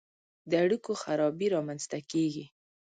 د اړیکو خرابي رامنځته کیږي.